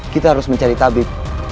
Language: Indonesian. kita harus mencari tabib